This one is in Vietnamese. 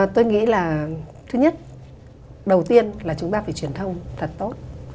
tôi nghĩ là thứ nhất đầu tiên là chúng ta phải truyền thông thật tốt